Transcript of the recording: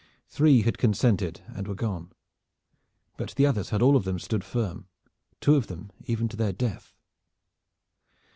Three had consented and were gone. But the others had all of them stood firm, two of them even to their death.